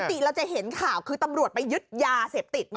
ปกติเราจะเห็นข่าวคือตำรวจไปยึดยาเสพติด